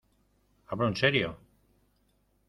hablo en serio.